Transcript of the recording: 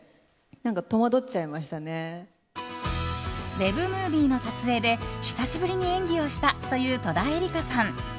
ウェブムービーの撮影で久しぶりに演技をしたという戸田恵梨香さん。